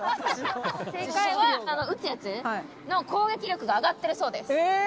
正解は撃つやつの攻撃力が上がっているそうです。